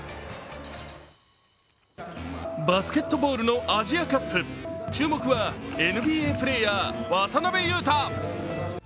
バスケットボールのアジアカップ注目はＮＢＡプレーヤー・渡邊雄太。